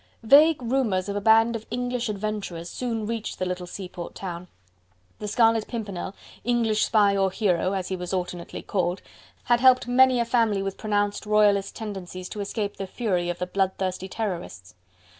Vague rumours of a band of English adventurers soon reached the little sea port town. The Scarlet Pimpernel English spy or hero, as he was alternately called had helped many a family with pronounced royalist tendencies to escape the fury of the blood thirsty Terrorists.